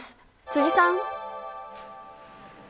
辻さん。